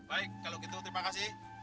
baik kalau gitu terima kasih